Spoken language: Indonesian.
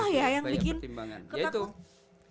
apa ya yang bikin ketakutan